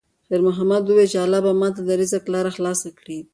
خیر محمد وویل چې الله به ماته د رزق لاره خلاصه کړي.